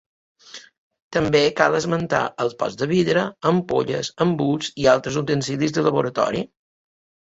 També cal esmentar els pots de vidre, ampolles, embuts i altres utensilis de laboratori.